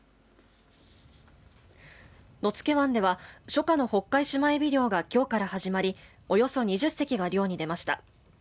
野付湾では初夏のホッカイシマエビ漁がきょうから始まりおよそ２０隻が漁に出ました。